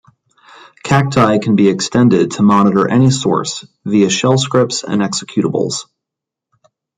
Cacti can be extended to monitor any source via shell scripts and executables.